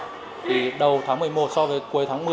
thì đầu tháng một mươi một so với cuối tháng một mươi